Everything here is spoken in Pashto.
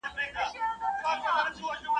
ملتونه خپل تاریخ ساتي